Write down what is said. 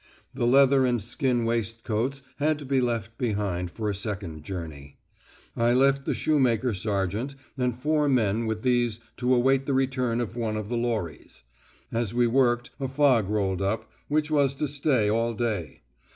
The leather and skin waistcoats had to be left behind for a second journey: I left the shoemaker sergeant and four men with these to await the return of one of the lorries. As we worked a fog rolled up, which was to stay all day.